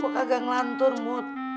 gue kagak ngelantur mut